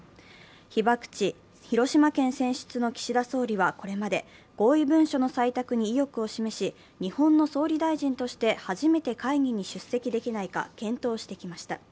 被爆地・広島県選出の岸田総理はこれまで合意文書の採択に意欲を示し、日本の総理大臣として初めて会議に出席できないか検討してきました。